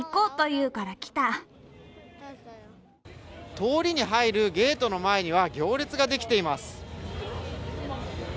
通りに入るゲートの前には行列ができています。